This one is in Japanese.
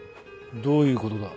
どういうことだ？